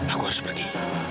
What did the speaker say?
aku harus pergi